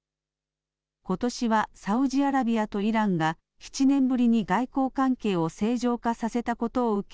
ことしはサウジアラビアとイランが７年ぶりに外交関係を正常化させたことを受け